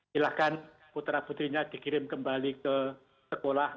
silahkan putra putrinya dikirim kembali ke sekolah